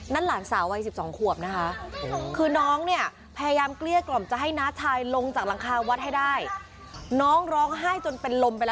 น้าเดี๋ยวตาม